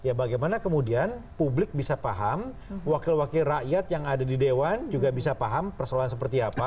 ya bagaimana kemudian publik bisa paham wakil wakil rakyat yang ada di dewan juga bisa paham persoalan seperti apa